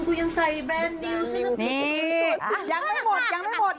กูยังใส่แบรนด์นิวนี่ยังไม่หมดยังไม่หมด